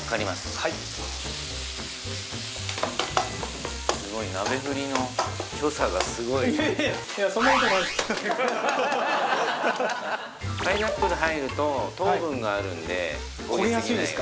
はいすごいパイナップル入ると糖分があるんで焦げやすいですか